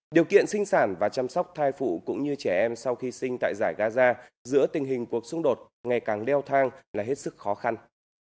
điều kiện sinh sản và chăm sóc thai phụ cũng như trẻ em sau khi sinh tại giải gaza giữa tình hình cuộc xung đột ngày càng đeo thang là hết sức khó khăn